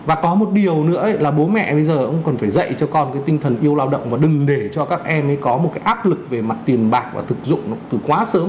và có một điều nữa là bố mẹ bây giờ ông còn phải dạy cho con cái tinh thần yêu lao động và đừng để cho các em ấy có một cái áp lực về mặt tiền bạc và thực dụng nó từ quá sớm